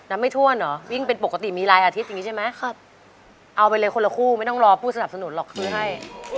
น้ำไม่ถ้วนหรอวิ่งปกติมีไลน์อาทิตย์อย่างนี้ใช่ไหมเอาไปเลยคนละคู่ไม่ต้องรอผู้สนับสนุนหรอกพรียให้